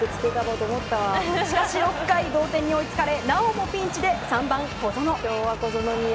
しかし６回、同点に追いつかれなおもピンチで３番、小園。